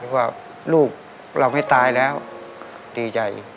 ว่าลูกเราไม่ตายแล้วดีใจ